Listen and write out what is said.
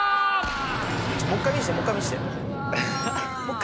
もう１回見せてもう１回見せて。